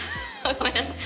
ごめんなさい。